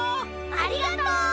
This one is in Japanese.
ありがとう！